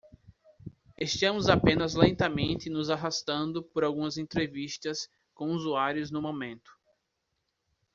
Estamos apenas lentamente nos arrastando por algumas entrevistas com usuários no momento.